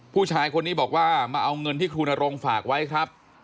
ผู้ชายคนนี้บอกว่ามาเอาเงินที่ครูนรงฝากไว้ครับ